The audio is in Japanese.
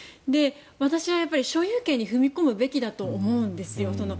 私は所有権に踏み込むべきだと思うんですよ。